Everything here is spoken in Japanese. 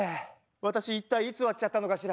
私一体いつ割っちゃったのかしら？